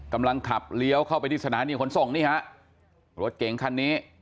กำลังขับเลี้ยวเข้าไปที่สถานีขนส่งนี่ฮะรถเก๋งคันนี้